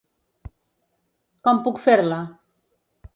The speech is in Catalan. Com puc fer-la?